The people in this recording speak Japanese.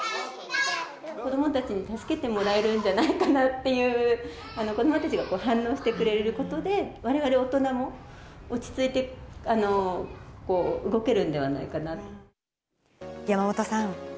子どもたちに助けてもらえるんじゃないかなっていう、子どもたちが反応してくれることで、われわれ大人も、山本さん。